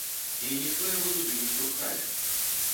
І ніхто яго туды не штурхае.